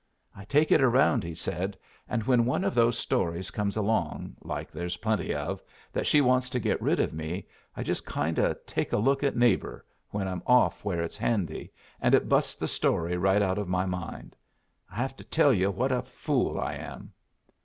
"I take it around," he said, "and when one of those stories comes along, like there's plenty of, that she wants to get rid of me, I just kind o' take a look at 'Neighbor' when I'm off where it's handy, and it busts the story right out of my mind. I have to tell you what a fool I am."